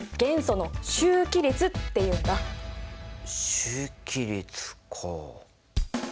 周期律か。